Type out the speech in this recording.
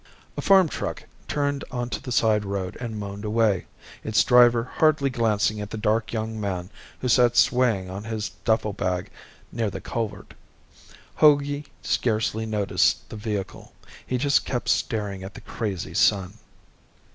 A farm truck turned onto the side road and moaned away, its driver hardly glancing at the dark young man who sat swaying on his duffle bag near the culvert. Hogey scarcely noticed the vehicle. He just kept staring at the crazy sun.